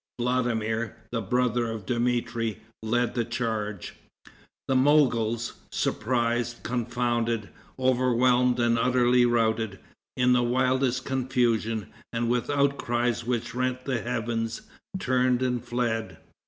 Vladimir, the brother of Dmitri, led the charge. The Mogols, surprised, confounded, overwhelmed and utterly routed, in the wildest confusion, and with outcries which rent the heavens, turned and fled.